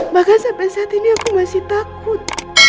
maka sampai saat ini aku masih takut